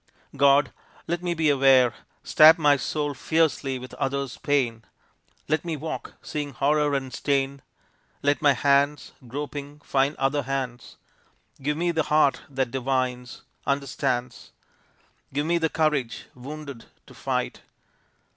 God let me be aware. Stab my soul fiercely with others' pain, Let me walk seeing horror and stain. Let my hands, groping, find other hands. Give me the heart that divines, understands. Give me the courage, wounded, to fight.